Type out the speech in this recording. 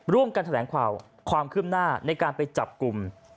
ร่วมกันแถลงข่าวความคืบหน้าในการไปจับกลุ่ม